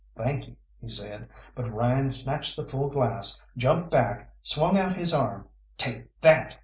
"Thank you," he said. But Ryan snatched the full glass, jumped back, swung out his arm "Take that!"